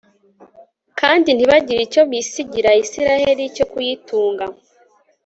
kandi ntibagire icyo basigira israheli cyo kuyitunga